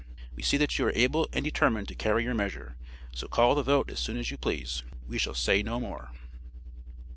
We see that you are able and determined to carry your measure so call the vote as soon as you please. We shall say no more.'